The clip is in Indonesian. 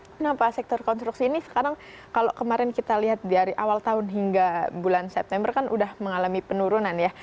kenapa sektor konstruksi ini sekarang kalau kemarin kita lihat dari awal tahun hingga bulan september kan sudah mengalami penurunan ya